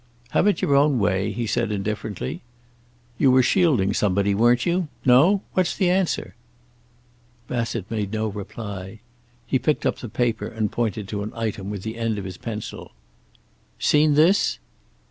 "Have it your own way," he said indifferently. "You were shielding somebody, weren't you? No? What's the answer?" Bassett made no reply. He picked up the paper and pointed to an item with the end of his pencil. "Seen this?"